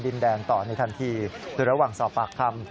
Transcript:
ดินแดนต่อในทันทีรัวห่างสอบปากคำ